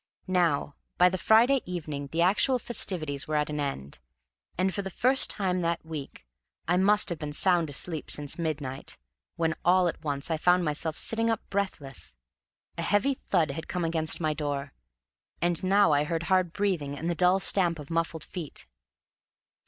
Now, by the Friday evening the actual festivities were at an end, and, for the first time that week, I must have been sound asleep since midnight, when all at once I found myself sitting up breathless. A heavy thud had come against my door, and now I heard hard breathing and the dull stamp of muffled feet.